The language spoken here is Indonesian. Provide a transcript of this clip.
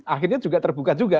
akhirnya juga terbuka juga